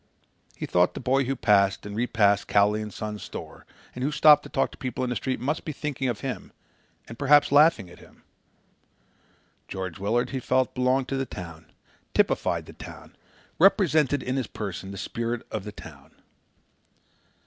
He thought the boy who passed and repassed Cowley & Son's store and who stopped to talk to people in the street must be thinking of him and perhaps laughing at him. George Willard, he felt, belonged to the town, typified the town, represented in his person the spirit of the town.